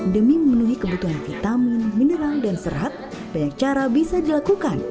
demi memenuhi kebutuhan vitamin mineral dan serat banyak cara bisa dilakukan